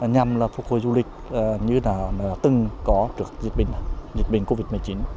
nhằm phục hồi du lịch như từng có trước dịch bệnh covid một mươi chín